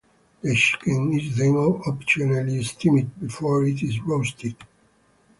The chicken is then optionally steamed before it is roasted.